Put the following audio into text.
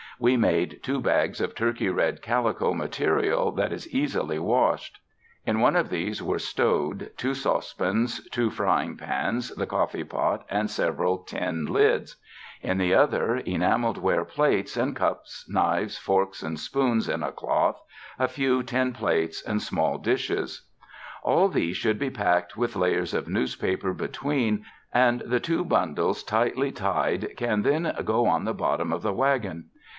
We made two bags of turkey red calico, material that is easily washed. In one of these were stowed two saucepans, two frying pans, the coffee pot and sev eral tin lids : in the other, enameled ware plates and cups, knives, forks and spoons in a cloth, a few tin plates and small dishes. All these things should be packed with layers of newspaper between, and the two bundles tightly tied can then go on the bottom of the wagon.